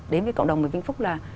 đến với cộng đồng của vĩnh phúc là